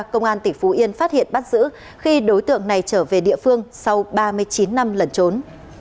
công an tỉnh phú yên phát hiện bắt giữ khi đối tượng này trở về địa phương sau ba mươi chín năm lẩn trốn